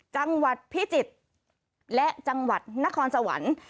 จังหวัดพิจิตรและจังหวัดนครสวรรค์